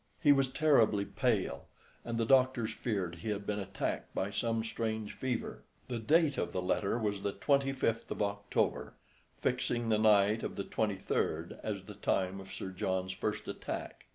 He was terribly pale, and the doctors feared he had been attacked by some strange fever. The date of the letter was the 25th of October, fixing the night of the 23d as the time of Sir John's first attack.